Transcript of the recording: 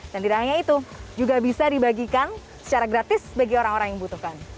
dan tidak hanya itu juga bisa dibagikan secara gratis bagi orang orang yang butuhkan